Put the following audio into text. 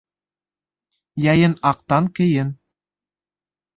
Йәйен аҡтан кейен